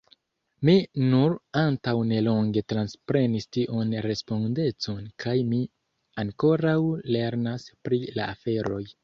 Mi nur antaŭ nelonge transprenis tiun respondecon kaj mi ankoraŭ lernas pri la aferoj.